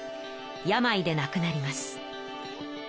病でなくなります。